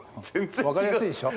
分かりやすいでしょ？